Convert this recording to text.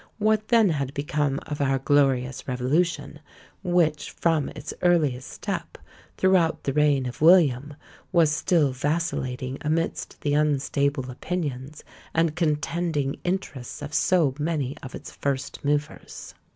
What then had become of our "glorious Revolution," which from its earliest step, throughout the reign of William, was still vacillating amidst the unstable opinions and contending interests of so many of its first movers?